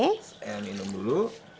saya minum dulu